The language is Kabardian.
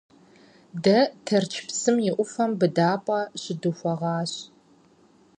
Дэ Тэрч псым и Ӏуфэм быдапӀэ щыдухуэгъащ.